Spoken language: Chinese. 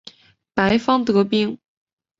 白方得兵。